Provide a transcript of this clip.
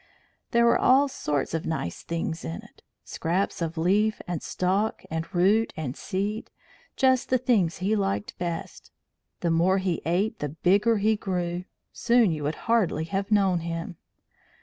There were all sorts of nice things in it scraps of leaf and stalk and root and seed just the things he liked best. The more he ate the bigger he grew; soon you would hardly have known him.